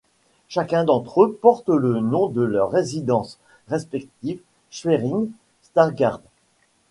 Chacun d'entre eux portent le nom de leur résidence respective, Schwerin, Stargard.